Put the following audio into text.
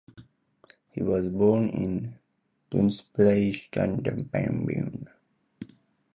He was born in Dunipace, Stirlingshire.